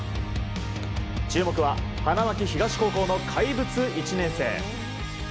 注目は花巻東高校の怪物１年生。